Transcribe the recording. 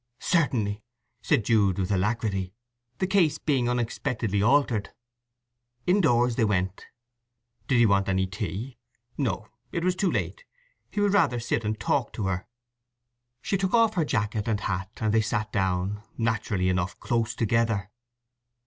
"Certainly," said Jude with alacrity, the case being unexpectedly altered. Indoors they went. Did he want any tea? No, it was too late: he would rather sit and talk to her. She took off her jacket and hat, and they sat down—naturally enough close together.